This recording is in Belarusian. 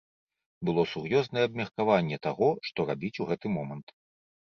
Было сур'ёзнае абмеркаванне таго, што рабіць у гэты момант.